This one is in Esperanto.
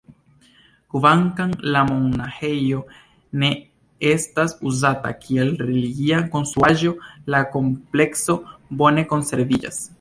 Kvankam la monaĥejo ne estas uzata kiel religia konstruaĵo, la komplekso bone konserviĝas.